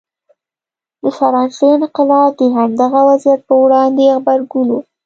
د فرانسې انقلاب د همدغه وضعیت پر وړاندې غبرګون و.